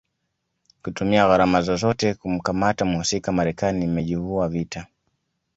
kutumia gharama zozote kumkamata mhusika Marekani imevijua vita